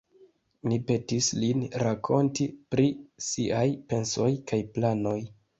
Ni petis lin rakonti pri siaj pensoj kaj planoj.